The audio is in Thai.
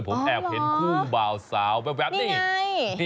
ผมแอบเห็นคู่บ่าวสาวแบบนี้นี่ไง